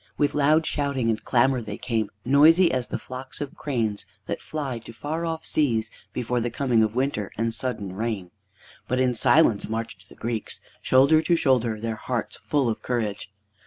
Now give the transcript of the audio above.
With loud shouting and clamor they came, noisy as the flocks of cranes that fly to far off seas before the coming of winter and sudden rain. But in silence marched the Greeks, shoulder to shoulder, their hearts full of courage.